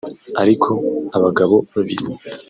Ariko abagabo babiri